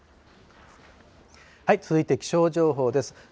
続いて気象情報です。